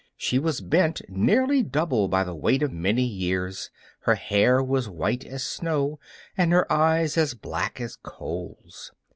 She was bent nearly double by weight of many years, her hair was white as snow and her eyes as black as coals.